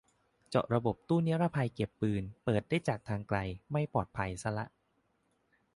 เจาะระบบตู้นิรภัยเก็บปืน เปิดได้จากทางไกล ไม่ปลอดภัยซะละ